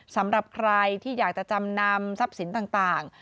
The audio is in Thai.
สำหรับใครที่อยากจะจำนำทรัพย์สินต่าง